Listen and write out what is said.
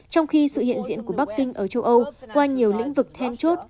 trong khi sự hiện diện của bắc kinh ở châu âu qua nhiều lĩnh vực then chốt